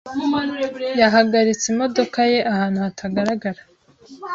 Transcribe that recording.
Yahagaritse imodoka ye ahantu hatagaragara .